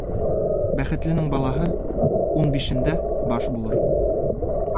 Бәхетленең балаһы ун бишендә баш булыр